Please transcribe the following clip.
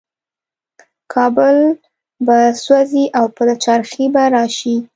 کابل به سوځي او پلچرخي به راشي.